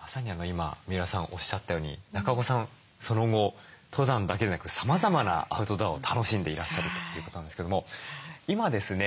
まさに今三浦さんがおっしゃったように中岡さんその後登山だけでなくさまざまなアウトドアを楽しんでいらっしゃるということなんですけども今ですね